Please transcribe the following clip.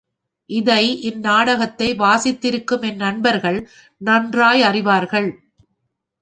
இதை இந்நாடகத்தை வாசித்திருக்கும் என் நண்பர்கள் நன்றாயறிவார்கள்.